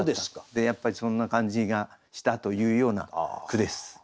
でやっぱりそんな感じがしたというような句です。